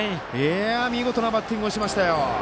見事なバッティングをしました。